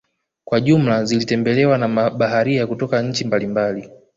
Kwa jumla zilitembelewa na mabaharia kutoka nchi za mbali